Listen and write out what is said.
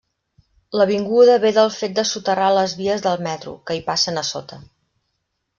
L'avinguda ve del fet de soterrar les vies del metro, que hi passen a sota.